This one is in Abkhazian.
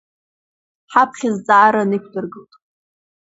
Ҳаԥхьа зҵаараны иқәдыргылт…